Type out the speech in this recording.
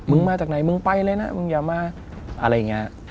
มาจากไหนมึงไปเลยนะมึงอย่ามาอะไรอย่างนี้